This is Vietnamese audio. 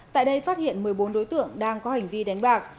tại đây phát hiện một mươi bốn đối tượng đang có hành vi đánh bạc